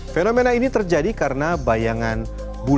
fenomena ini terjadi karena bayangan bulan